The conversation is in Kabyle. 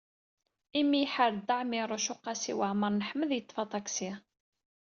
Imi ay iḥar Dda Ɛmiiruc u Qasi Waɛmer n Ḥmed, yeḍḍef aṭaksi.